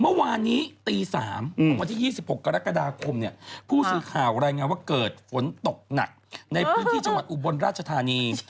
เมื่อวานนี้ตี๓ของวันที่๒๖กรกฎาคมเนี่ยผู้สื่อข่าวรายงานว่าเกิดฝนตกหนักในพื้นที่จังหวัดอุบลราชธานี